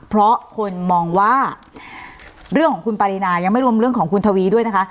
เพราะคนมองว่าเรื่องของคุณปารีนายังไม่รวมเรื่องของคุณทวีด้วยนะคะ